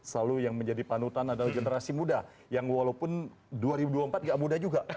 selalu yang menjadi panutan adalah generasi muda yang walaupun dua ribu dua puluh empat gak mudah juga